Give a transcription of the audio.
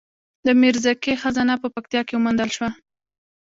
د میرزکې خزانه په پکتیا کې وموندل شوه